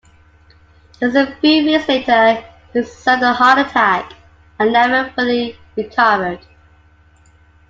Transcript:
Just a few weeks later, he suffered a heart attack and never fully recovered.